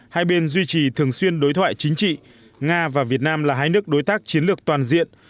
hai bên duy trì thường xuyên đối thoại chính trị nga và việt nam là hai nước đối tác chiến lược toàn diện